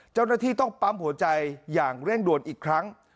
เจ้าหน้าที่ต้องปั๊มหัวใจอย่างเร่งด่วนอีกครั้ง